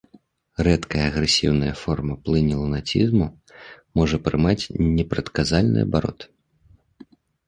Рэдкая агрэсіўная форма плыні лунацізму можа прымаць непрадказальны абарот.